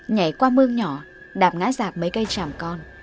nhảy qua mương nhỏ đạp ngã giạc mấy cây tràm con